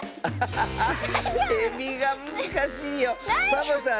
サボさん